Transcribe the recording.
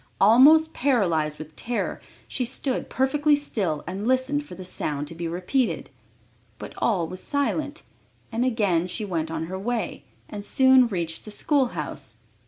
Almost paralyzed with terror, she stood perfectly still and listened for the sound to be repeated, but all was silent, and again she went on her way, and soon reached the school house.